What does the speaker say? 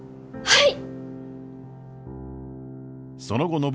はい。